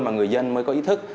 mà người dân mới có ý thức